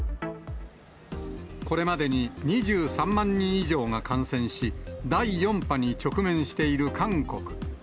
これまでに２３万人以上が感染し、第４波に直面している韓国。